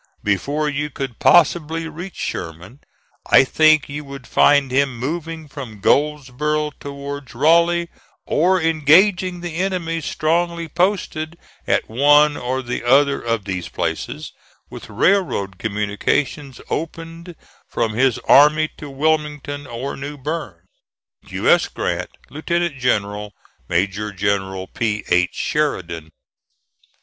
Before you could possibly reach Sherman, I think you would find him moving from Goldsboro' towards Raleigh, or engaging the enemy strongly posted at one or the other of these places, with railroad communications opened from his army to Wilmington or New Bern. "U. S. GRANT, Lieutenant General. "MAJOR GENERAL P. H. SHERIDAN."